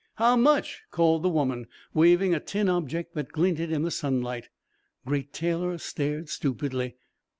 "How much?" called the woman, waving a tin object that glinted in the sunlight. Great Taylor stared stupidly.